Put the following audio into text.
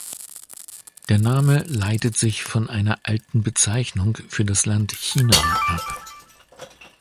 Der Name leitet sich von einer alten Bezeichnung für das Land China ab.